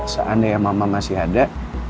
seandainya mama masih ada